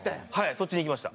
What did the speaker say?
そっちにいきました。